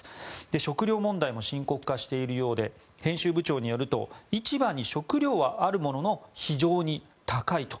食料問題も深刻化しているようで編集部長によると市場に食料はあるものの非常に高いと。